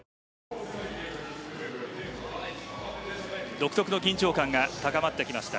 独特の緊張感が高まってきました。